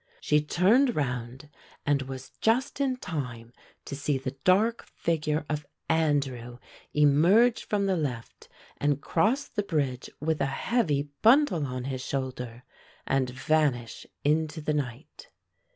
She turned round and was just in time to see the dark figure of Andrew emerge from the left and cross the bridge with a heavy bundle on his shoulder and vanish into the night.